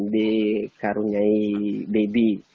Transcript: di karuniai baby